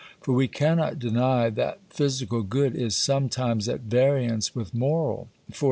For we cannot deny that physical good is sometimes at variance with moral _e.